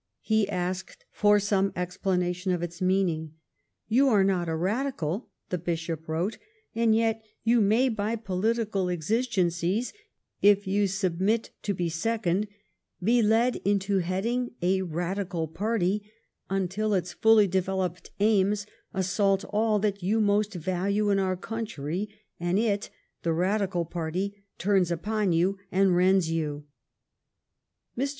He asked for some explanation of its meaning. "You are not a Radical," the Bishop wrote, "and yet you may, by political exigencies, if you submit to be second, be led into heading a Radical party until its fully developed aims assault all that you most value in our country, and it, the Radical party, turns upon you and rends you." Mr.